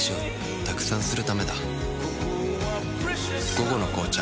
「午後の紅茶」